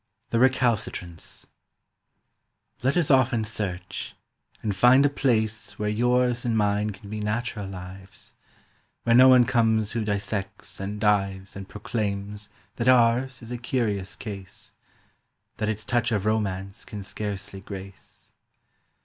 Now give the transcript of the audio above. THE RECALCITRANTS LET us off and search, and find a place Where yours and mine can be natural lives, Where no one comes who dissects and dives And proclaims that ours is a curious case, That its touch of romance can scarcely grace.